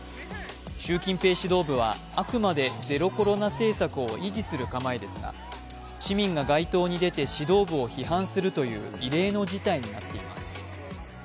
習近平指導部は、あくまでゼロコロナ政策を維持する構えですが、市民が街頭に出て指導部を批判するという異例の事態になっています。